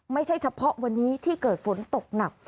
ไม่ใช่เฉพาะวันนี้ที่เกิดฝนตกหนัก